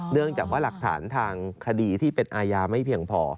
เนื่องจากว่าหลักฐานทางคดีที่เป็นอาญาไม่เพียงพอ